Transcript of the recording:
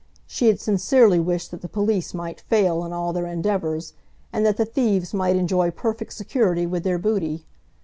She had sincerely wished that the police might fail in all their endeavours, and that the thieves might enjoy perfect security with their booty.